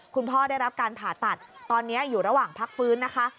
ได้รับการผ่าตัดตอนนี้อยู่ระหว่างพักฟื้นนะคะ